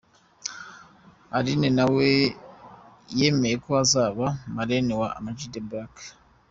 Aline nawe yemeye ko azaba Marraine wa Ama G The Black.